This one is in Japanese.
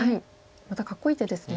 またかっこいい手ですね。